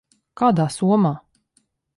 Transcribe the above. Kādā somā?